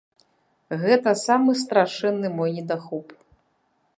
Гэта самы страшэнны мой недахоп.